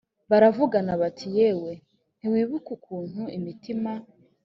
baravugana bati yewe ntiwibuka ukuntu imitima